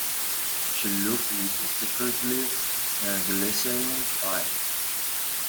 She looked with a secretly glistening eye.